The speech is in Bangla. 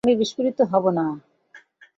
আমি বিস্ফোরিত হবো না।